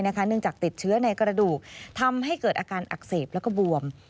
เนื่องจากติดเชื้อในกระดูกทำให้เกิดอาการอักเสบแล้วก็บวม